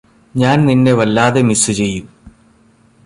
ഞാന് നിന്നെ വല്ലാതെ മിസ്സ് ചെയ്യും